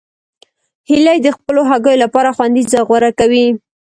هیلۍ د خپلو هګیو لپاره خوندي ځای غوره کوي